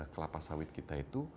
kelapa sawit kita itu